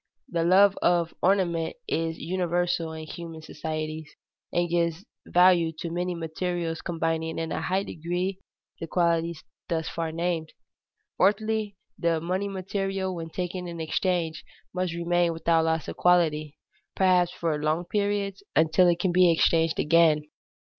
The love of ornament is universal in human societies, and gives value to many materials combining in a high degree the qualities thus far named. Fourthly, the money material, when taken in exchange, must remain without loss of quality, perhaps for long periods, until it can be exchanged again.